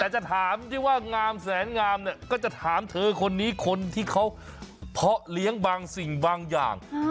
แต่จะถามที่ว่างามแสนงามเนี่ยก็จะถามเธอคนนี้คนที่เขาเพาะเลี้ยงบางสิ่งบางอย่าง